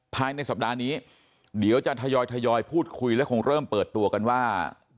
ภายในสัปดาห์นี้เดี๋ยวจะทยอยพูดคุยและคงเริ่มเปิดตัวกันว่า